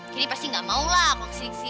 kendi pasti gak maulah kok sini